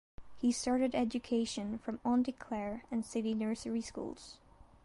He started education from Auntie Clare and City Nursery schools.